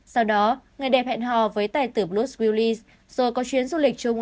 sau đó người đẹp hẹn hò với tài tử bruce willis rồi có chuyến du lịch chung